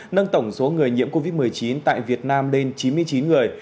nâng tổng số người nhiễm covid một mươi chín tại việt nam lên chín mươi chín người